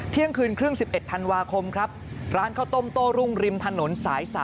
เที่ยงคืนครึ่ง๑๑ธันวาคมครับร้านข้าวต้มโต้รุ่งริมถนนสาย๓